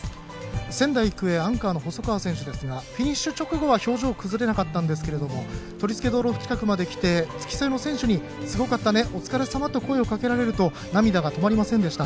仙台育英、アンカーの細川選手ですがフィニッシュ直後は表情崩れなかったんですけれども取り付け道路近くまで来て付き添いの選手にすごかったね、お疲れさまと声をかけられると涙が止まりませんでした。